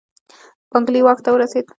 یانګلي واک ته ورسېد.